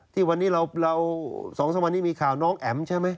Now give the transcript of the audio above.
ที่วันนี้เรา๒๓วันนี้มีข่าวน้องแอ๋มใช่ไหม